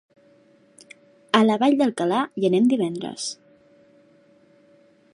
A la Vall d'Alcalà hi anem divendres.